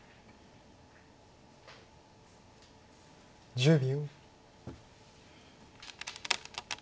１０秒。